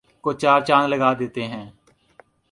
کو چار چاند لگا دیتے ہیں